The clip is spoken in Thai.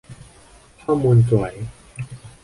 ข้อมูลสวย